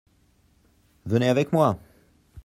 Venez avec moi !